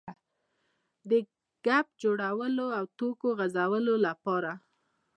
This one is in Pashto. د ګپ جوړولو او ټوکو غځولو لپاره.